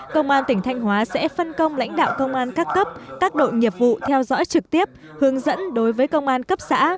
công an tỉnh thanh hóa sẽ phân công lãnh đạo công an các cấp các đội nghiệp vụ theo dõi trực tiếp hướng dẫn đối với công an cấp xã